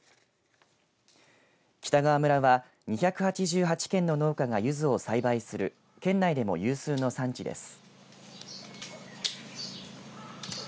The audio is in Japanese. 北川村は２８８軒の農家がユズを栽培する県内でも有数の産地です。